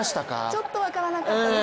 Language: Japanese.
ちょっと分からなかったですね。